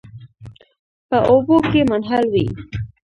په اوبو کې منحل وي.